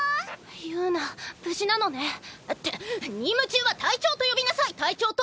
友奈無事なのね。って任務中は隊長と呼びなさい隊長と！